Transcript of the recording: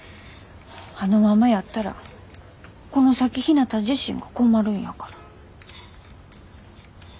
あのままやったらこの先ひなた自身が困るんやから。